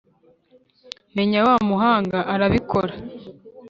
Meya wa muhanga arabikora